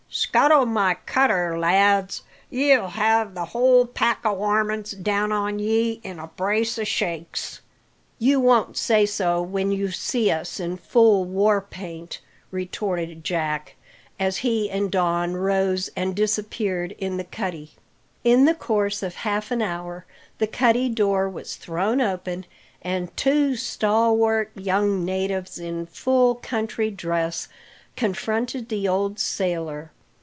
"Scuttle my cutter, lads! ye'll have the whole pack o' waimints down on ye in a brace o' shakes!" "You won't say so when you see us in full war paint," retorted Jack, as he and Don rose and disappeared in the cuddy. In the course of half an hour the cuddy door was thrown open, and two stalwart young natives, in full country dress, confronted the old sailor.